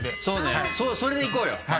そうねそれでいこうよ。